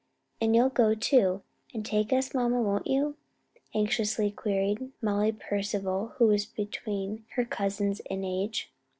"And you'll go too, and take us, mamma, won't you?" anxiously queried Molly Percival, who was between her cousins in age.